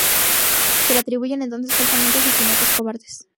Se le atribuyen entonces falsamente asesinatos cobardes.